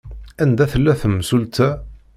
Anda tella temsulta?